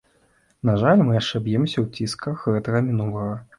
На жаль, мы яшчэ б'емся ў цісках гэтага мінулага.